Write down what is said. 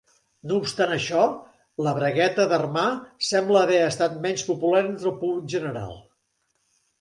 No obstant això, la bragueta d'armar sembla haver estat menys popular entre el públic general.